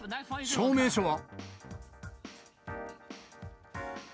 証明書は？